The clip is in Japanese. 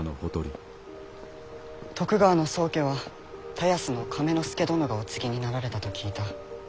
徳川の宗家は田安の亀之助殿がお継ぎになられたと聞いた。